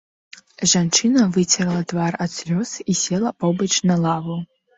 Жанчына выцерла твар ад слёз і села побач на лаву.